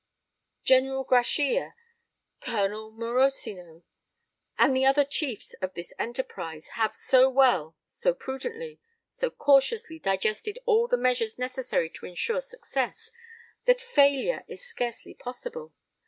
General Grachia, Colonel Morosino, and the other chiefs of this enterprise, have so well, so prudently, so cautiously digested all the measures necessary to ensure success, that failure is scarcely possible.